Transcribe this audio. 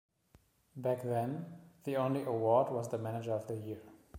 Back then, the only award was the Manager of the Year.